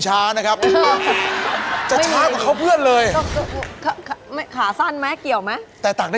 เชื่อตัวเอง